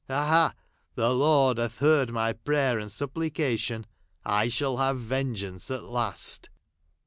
Ha, ha, the Lord hath heard my prayer aind supplication ; I shall have vengeance at last